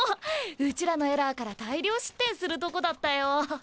うちらのエラーから大量失点するとこだったよ。